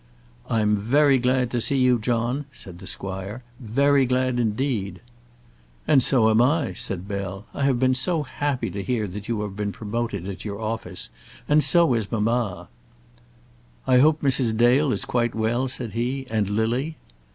"I'm very glad to see you, John," said the squire, "very glad indeed." "And so am I," said Bell. "I have been so happy to hear that you have been promoted at your office, and so is mamma." "I hope Mrs. Dale is quite well," said he; "and Lily."